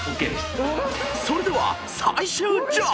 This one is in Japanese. ［それでは］